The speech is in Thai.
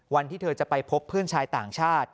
วันที่เธอจะไปพบเพื่อนชายต่างชาติ